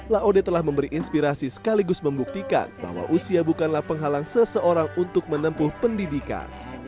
laode telah memberi inspirasi sekaligus membuktikan bahwa usia bukanlah penghalang seseorang untuk menempuh pendidikan